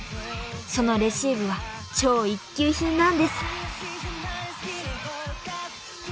［そのレシーブは超一級品なんです］